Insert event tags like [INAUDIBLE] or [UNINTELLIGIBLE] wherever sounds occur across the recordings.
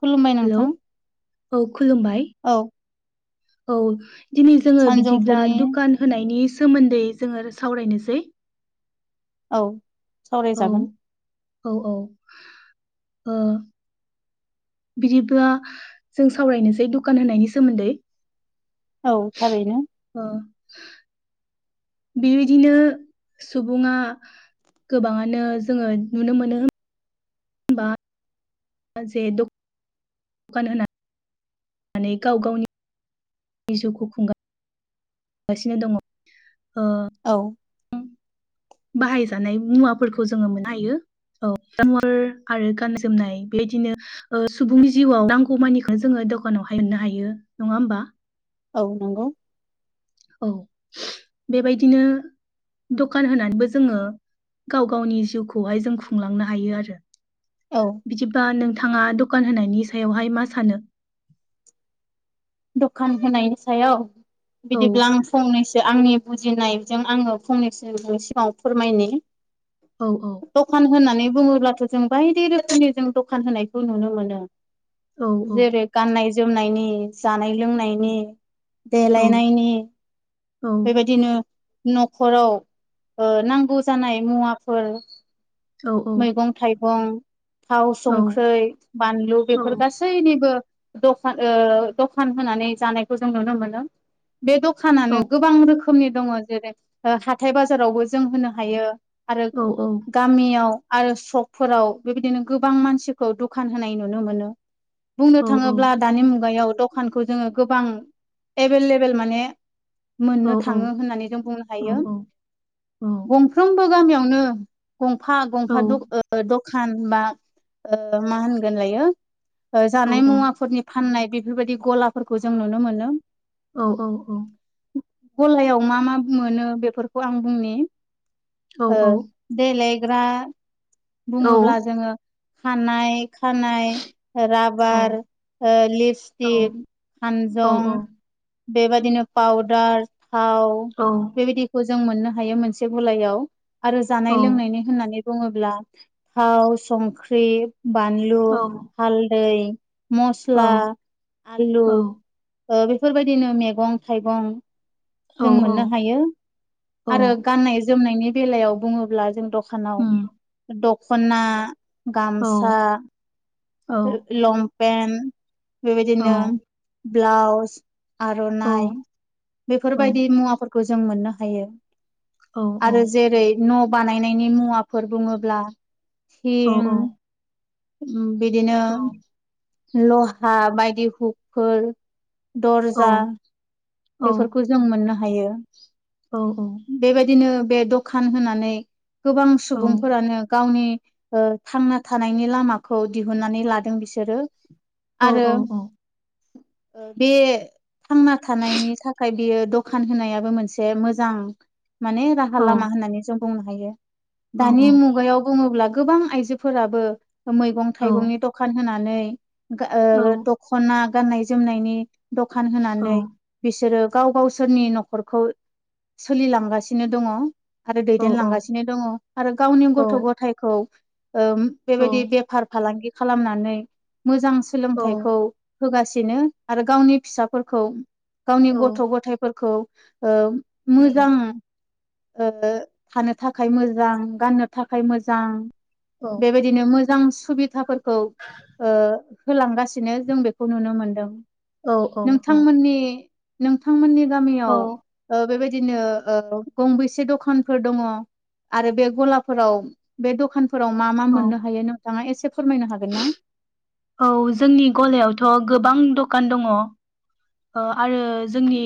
खुलुमबाय नोंथां हेल' औ खुलुमबाय। औ। औ दिनै जोंङो बिदिब्ला सानजौफुनि दुखान होनायनि सोमोन्दै जोंङो सावरायनोसै। औ। औ सावरायजागोन औ औ ओ बिदिब्ला जों सावरायनोसै दखान होनायनि सोमोन्दै। औ थारैनो। अ बेबायदिनो सुबुङा गोबाङानो जोंङो नुनो मोनो। होनबा [UNINTELLIGIBLE] दखान होना माने गाव गावनि [UNINTELLIGIBLE] जिउखौ खुंगा गासिनो दङ ओ औ बाहायजानाय मुवाफोरखौ जोंङो मोननो हायो। औ [UNINTELLIGIBLE] आरो गाननाय जोमनाय बेबायदिनो ओ सुबुंनि जिउआव नांगौमानिखौ जोंङो दखानाव हाय मोननो हायो नङा होमबा? औ नंगौ। औ बेबायदिनो दखान होनानैबो जोङो गाव गावनि जिउखौहाय जों खुंलांनो हायो आरो औ बिदिबा नोंथाङा दखान होनायनि सायावहाय मा सानो? दखान होनायनि सायाव औ बिदिब्ला आं फंनैसो आंनि बुजिनायजों आङो फंनैसो सिगाङाव फोरमायनि औ औ दखान होननानै बुङोब्लाथ' जों बायदि रोखोमनि जों दखान होनायखौ नुनो मोनो। औ औ जेरै गाननाय जोमनायनि जानाय लोंनायनि औ देलायनायनि औ बेबायदिनो न'खराव नांगौ जानाय मुवाफोर औ मैगं थाइगं थाव औ संख्रै बानलु बेफोर गास सैनिबो दखान ओ दखान होनानै जानायखौ जों नुनो मोनो। बे औ दखानानो गोबां रोखोमनि दङ जेरै ओ हाथाय बाजारावबो जों होनो हायो। आरो औ गामियाव आरो सकफोराव बेबायदिनो गोबां मानसिखौ दखान होनाय नुनो मोनो। बुंनो औ थाङोब्ला दानि मुगायाव दखानखौ जोङो गोबां एभेलेबेल माने औ मोननो औ थाङो होननानै जों बुंनो हायो बुं फ्रोमबो गामियावनो गंफा गंफा द ओ ओ दखान बा ओ मा होनगोन लायो ओ जानाय मुवाफोरनि फाननाय बेफोरबायदि गलाफोरखौ जों नुनो मोनो। औ औ औ गलायाव मा मा मोनो बेफोरखौ आं बुंनि औ ओ देलायग्रा औ बुङोब्ला जोङो खानाय खानाय औ राबार ओ औ लिपस्टिक औ खानजं बेबादिनो पाउदार थाव औ बेबादिखौ जों मोननो हायो मोनसे गलायाव आरो औ जानाय लोंनायनि होननानै बुङोब्ला थाव, संख्रि, बानलु, हालदै मस्ला आलु ओ बेफोरबायदिनो मेगं थाइगं औ जों मोननो हायो औ आरो गाननाय जोमनायनि बेलायाव बुङोब्ला जों डक्ट दखानाव उम दख'ना औ गामसा औ लंपेन्ट औ बेबायदिनो ब्लाउस औ आर'नाइ औ फोरबायदि मुवाफोरखौ जों मोननो हायो औ आरो जेरै न' बानायनायनि मुवाफोर बुङोब्ला औ उम औ थिं उम बिदिनो लहा बायदि हुगफोर दर्जा बेफोरखौ जों मोननो हायो। औ औ बेबायदिनो बे दखान होनानै गोबां सुबुंफोरानो गावनि ओ थांना थानायनि लामाखौ दिहुननानै लादों बिसोरो आरो [INAUDIBLE] बे थांना थानायनि थाखाय बियो दखान होनायाबो मोनसे मोजां माने रा राहा लामा होननानै जों बुंनो हायो दानि मुगायाव बुङोब्ला गोबां आइजोफोराबो मैगं थाइगंनि दखान होनानै गा ओ दख'ना गाननाय जोमनायनि दखान होनानै बिसोरो गाव गावसोरनि न'खरखौ सोलिलांगासिनो दङ। आरो औ दैदेनलांगासिनो दङ आरो गावनि औ गथ' गथाइखौ ओम बेबायदि बेफार फालांगि खालामनानै मोजां सोलोंथाइखौ होगासिनो आरो गावनि फिसाफोरखौ गावनि गथ' गथाइफोरखौ ओ मोजां ओ थानो थाखाय मोजां गाननो थाखाय मोजां औ बेबादिनो मोजां सुबिदाफोरखौ ओ होलांगासिनो जों बेखौ नुनो मोनदों नोंथांमोननि हो नोंथांमोनि गामिआव ओ बेबादिनो गंबेसे दखानफोर दङ आरो बे ग'लाफोराव बे दखानफोराव मा मा मोननो हायो नोंथांआ एसे फोरमायनो हागोन ना औ जोंनि गलायावथ' गोबां दखान दङो ओ आरो जोंनि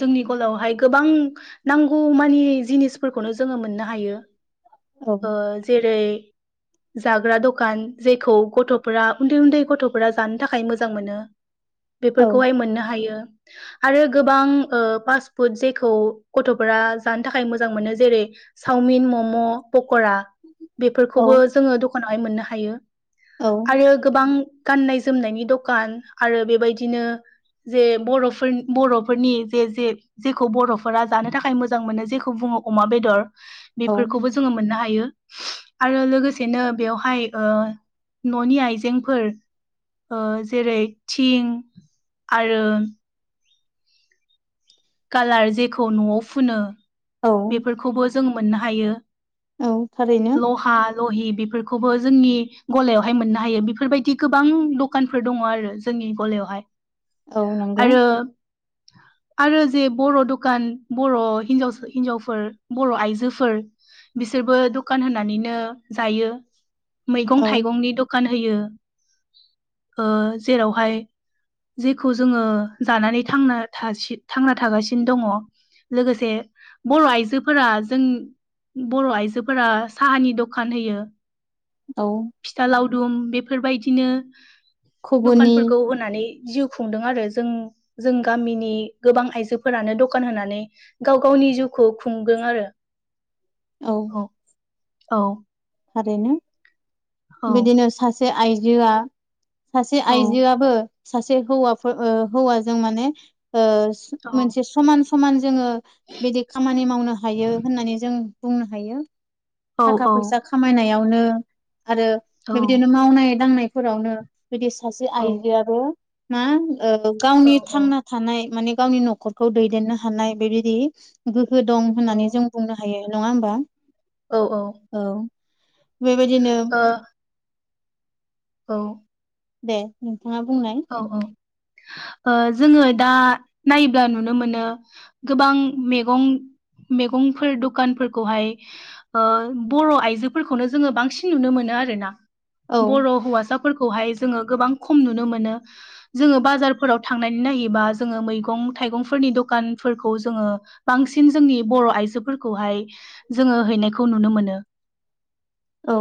जोंनि गलावहाय गोबां नांगौ मानि जिनिसफोरखौनो जोङो मोननो हायो औ ओ जेरै जाग्रा द'खान जेखौ गथ'फोरा उन्दै उन्दै गथ'फोरा जानो थाखाय मोजां मोनो औ बेफोरखौहाय मोननो हायो आरो गोबां ओ पासपुट जेखौ गथ'फोरा जानो थाखाय मोजां मोनो जेरै साउमिन मम' फ'क'रा बेफोरखौबो जोङो दखानावहाय मोननो हायो औ आरो हो गोबां गाननाय जोमनायनि द'खान आरो बेबायदिनो जे बर'फोर बर'फोरनि जे जे जेखौ बर'फोरा जानो थाखाय मोजां मोनो जेखौ बुङो अमा बेदर औ बेफोरखौबो जों जोङो मोननो हायो उम आरो लोगोसेनो बेवहाय न'नि आइजेंफोर ओ जेरै थिं आरो खालार जेखौ न'आव फुनो औ बेफोरखौबो जों मोननो हायो औ थारैनो ल'हाल ल'हि बेफोरखौबो जोंनि गलायावहाय मोननो हायो बेफोरबादि गोबां दखानफोर दङ आरो जोंनि गलायावहाय औ नोंगौ आरो आरो जे बर' दुखान बर' हिनजाव हिनजावफोर बर' आइजोफोर बिसोरबो दुखान होनानैनो जायो मैगं औ थाइगंनि दखान होयो ओ जेरावहाय जेखौ जोङो जानानै थांना थासि थांना थागासिनो दङ लोगोसे बर'आइजोफोरा जों बर' आइजोफोरा साहानि दखान होयो औ फिथा लावदुम बेफोरबादिनो घुगुनि दखानफोरखौ हो होननानै जिउ खुंदों आरो जों जों गामिनि गोबां आइजोफोरानो दखान होनानै गाव गावनि जिउखौ खुंगोदों आरो औ औ थारैनो औ बिदिनो सासे आइजोआ सासे औ आइजोआबो सासे हौवाफोर हौवाजों माने औ मोनसे समान समान जोङो बिदि खामानि मावनो हायो होननानै जों बुंनो हायो औ थाखा फैसा खामायनायावनो आरो औ बिदिनो मावनाय दांनायफोरावनो बिदि सासे आइजोआबो मा ओ औ गावनि थांना थानाय मानि गावनि न'खरखौ दैदेननो हानाय बेबायदि गोहो दं औ होननानै जों बुंनो हायो नङा होमबा औ औ औ बेबायदिनो औ दे नोंथांआ बुंनाय औ औ जोङो दा नायोब्ला नुनो मोनो गोबां मैगं मैगंफोर दखानफोरखौ हाय बर' आइजोफोरखौनो जोङो बांसिन नुनो मोनो आर ना औ बर' हौवासाफोरखौहाय जोङो गोबां खम नुनो मोनो जोङो बाजारफोराव थांनानै नायोबा जोङो मैगं थाइगंफोरनि दखानफोरखौ जोङो बांसिन जोंनि बर' आइजोफोरखौहाय जोङो हैनायखौ नुनो मोनो औ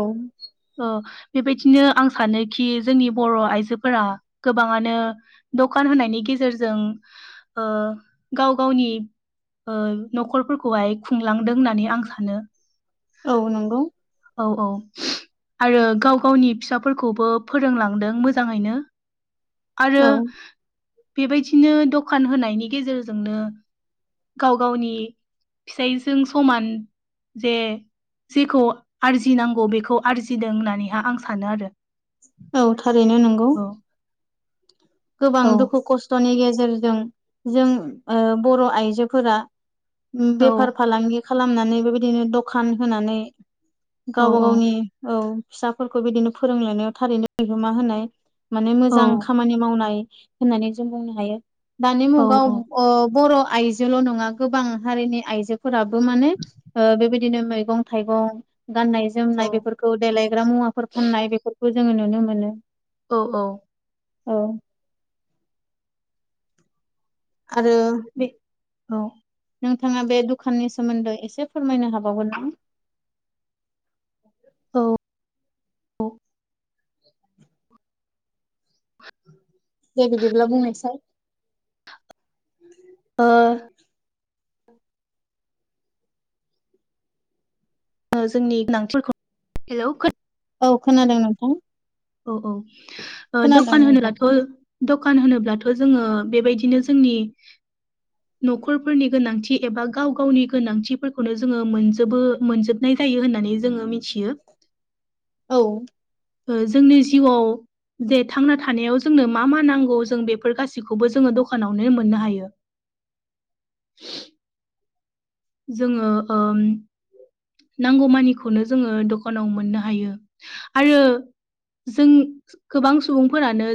बेबायदिनो आं सानोखि जोंनि बर' आइजोफोरा गोबाङानो दखान होनायनि गेजेरजों गाव गावनि न'खरफोरखौहाय खुंलांदों होननानै आं सानो औ नंगौ औ औ आरो गाव गावनि फिसाफोरखौबो फोरोंलांदों मोजाङैनो आरो औ बेबायदिनो दखान होनायनि गेजेरजोंनो गाव गावनि फिसायजों समान जे जेखौ आरजिनांगौ बेखौ आरजिदों होननानै हाय आं सानो आरो औ थारैनो नंगौ औ गोबां दुखु खस्थ'नि गेजेरजों जों बर' आइजोफोरा औ बेफार फालांगि खालामनानै बेबायदिनो दखान होनानै औ गावबा गावनि औ फिसाफोरखौ बिदिनो फोरोंलायनायाव थारैनो बिहोमा होनाय माने औ मोजां खामानि मावनाय होननानै जों बुंनो हायो दानि मुगाव औ अ बर' आयजोल' नङा गोबां हारिनि आइजोफोराबो माने बेबायदिनो मैगं थाइगं गाननाय जोमनाय औ बेफोरखौ देलायग्रा मुवाफोर फाननाय बेफोरखौ जोङो नुनो मोनो औ औ औ आरो बे औ नोंथाङा बे दुखाननि सोमोन्दै एसे फोरमायनो हाबावगोन ना? औ औ [INAUDIBLE] दे बिदिब्ला बुंनायसाय ओ जोंनि गोनांथिफोरखौ हेल' औ खोनादों नोंथां औ औ खोनादों दखान नोंथां होनोब्लाथ' दखान होनोब्लाथ' जोङो बेबायदिनो जोंनि न'खरफोरनि गोनांथि एबा गाव गावनि गोनांथिफोरखौनो जोङो मोनजोबो मोनजोब नाय जायो होननानै जोङो मिथियो औ ओ जोंनि जिउआव जे थांना थानायाव जोंनो मा मा नांगौ जों बेफोर गासैखौबो जोङो दखानावनो मोननो हायो जोङो ओ नांगौ मानिखौनो जोङो दखानाव मोननो हायो आरो जों गोबां सुबुंफोरानो